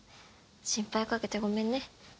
心配かけてごめんね。